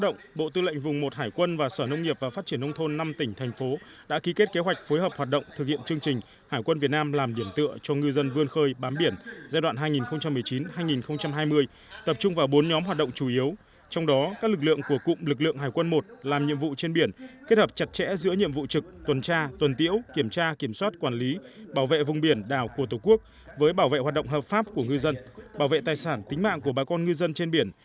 ngày chín tháng bảy tại quận đồ sơn thành phố hải phòng bộ tư lệnh vùng một hải quân phối hợp với sở nông nghiệp và phát triển nông thôn các tỉnh thành phố hải phòng quảng ninh nam định và ninh bình đã tổ chức phát động chương trình hải quân việt nam làm điểm tựa cho ngư dân vươn khơi và bám biển